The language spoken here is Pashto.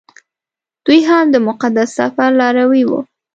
دوی هم د مقدس سفر لاروي وو.